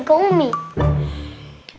sadam dilaporin ke umi